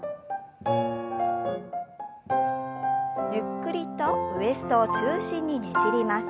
ゆっくりとウエストを中心にねじります。